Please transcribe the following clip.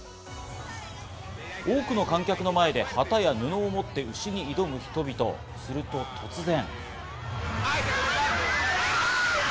多くの観客の前で旗や布を持って牛に挑む人々、すると突然。